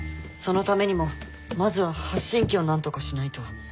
そのためにもまずは発信器を何とかしないと。